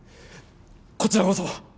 こちらこそ！